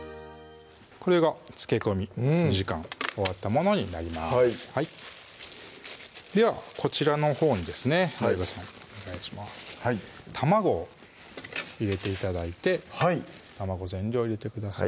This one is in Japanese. これが漬け込み２時間終わったものになりますではこちらのほうにですねＤＡＩＧＯさんお願いします卵を入れて頂いてはい卵全量入れてください